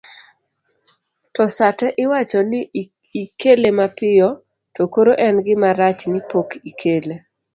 to sate iwacho ni ikele mapiyo to koro en gima rach ni pok ikele